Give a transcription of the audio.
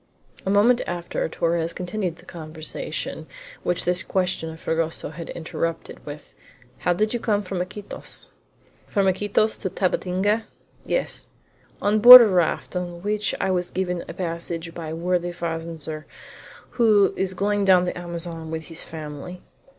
A moment after Torres continued the conversation which this question of Fragoso had interrupted, with: "How did you come from Iquitos?" "From Iquitos to Tabatinga?" "Yes." "On board a raft, on which I was given a passage by a worthy fazender who is going down the Amazon with his family."